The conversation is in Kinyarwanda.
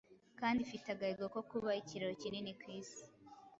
kandi ifite agahigo ko kuba ikiraro kinini ku is